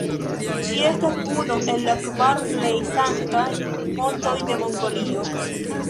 Ĝi estas unu el la kvar plej sanktaj montoj de Mongolio.